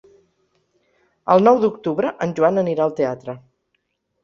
El nou d'octubre en Joan anirà al teatre.